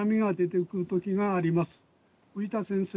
藤田先生